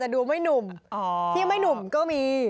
แต่ดูไม่หนุ่มที่ไม่หนุ่มก็มี